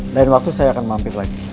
lain waktu saya akan mampir lagi